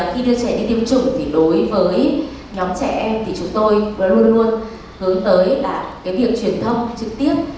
khi đưa trẻ đi tiêm chủng thì đối với nhóm trẻ em thì chúng tôi luôn luôn hướng tới là cái việc truyền thông trực tiếp